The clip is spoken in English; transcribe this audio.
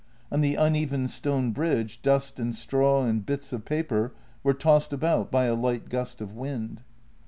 On the uneven stone bridge dust and straw and bits of paper were tossed about by a light gust of wind.